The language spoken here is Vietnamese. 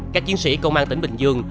các chiến sĩ công an tỉnh bình dương